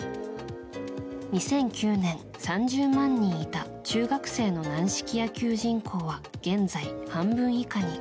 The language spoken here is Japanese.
２００９年、３０万人いた中学生の軟式野球人口は現在、半分以下に。